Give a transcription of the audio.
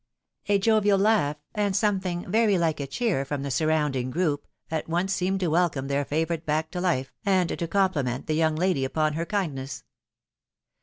A jovial laugh, and something very like a cheer from the surrounding group, at once seemed to welcome their favourite back to life, and to compliment the young lady upon her kind ness.